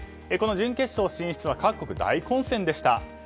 この準決勝進出は各国大混戦でした。